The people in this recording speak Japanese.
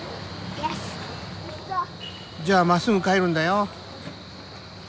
じゃあまっすぐ帰るんだよ。